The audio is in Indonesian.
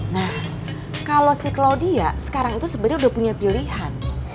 nah kalau si claudia sekarang itu sebenarnya udah punya pilihan